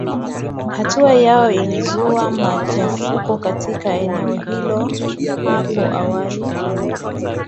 Hatua yao ilizua machafuko katika eneo hilo hapo awali